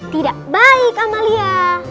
tidak baik amalia